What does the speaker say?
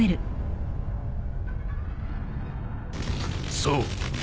そう。